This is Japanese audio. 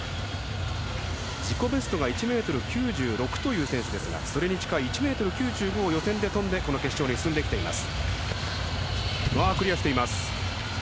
自己ベストは１ｍ９６という選手ですがそれに近い１ｍ９５を予選で跳んでこの決勝に進んできています。